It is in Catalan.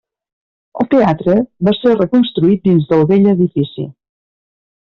El teatre va ser reconstruït dins del bell edifici.